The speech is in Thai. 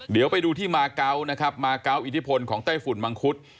เดี๋ยวไปดูที่มาเกาะนะครับมาเกาะอิทธิพลของไต้ฝุ่นมังคุด